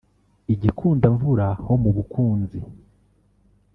i Gikundamvura ho mu Bukunzi